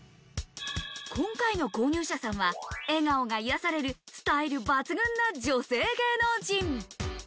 今回の購入者さんは笑顔が癒やされるスタイル抜群な女性芸能人。